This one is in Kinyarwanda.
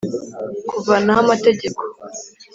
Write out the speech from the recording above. kuvanaho Amategeko